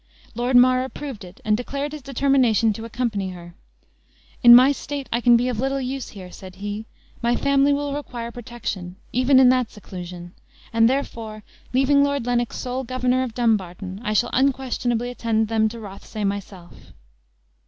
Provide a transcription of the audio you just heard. Lord Mar approved it, and declared his determination to accompany her. "In my state, I can be of little use here," said he; "my family will require protection, even in that seclusion; and therefore, leaving Lord Lennox sole governor of Dumbarton, I shall unquestionably attend them to Rothsay myself."